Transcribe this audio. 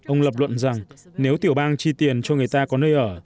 ông lập luận rằng nếu tiểu bang chi tiền cho người ta có nơi ở